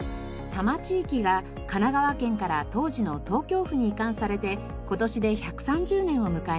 多摩地域が神奈川県から当時の東京府に移管されて今年で１３０年を迎えます。